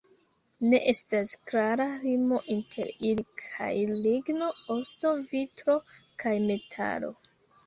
Ne estas klara limo inter ili kaj ligno, osto, vitro kaj metalo.